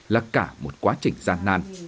là cả một quá trình gian nan